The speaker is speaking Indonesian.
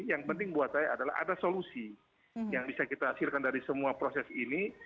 yang penting buat saya adalah ada solusi yang bisa kita hasilkan dari semua proses ini